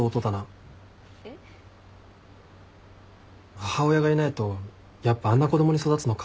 母親がいないとやっぱあんな子供に育つのか。